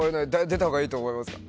出たほうがいいと思いますか？